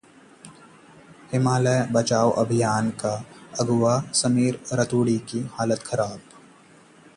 'हिमालय बचाओ अभियान' के अगुवा समीर रतूड़ी की हालत खराब